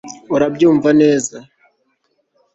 Urabyumva neza